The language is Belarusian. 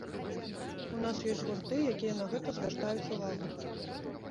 У нас ёсць гурты, якія на гэта звяртаюць увагу.